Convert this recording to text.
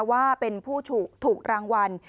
ว่าเป็นผู้ถูกรางวัล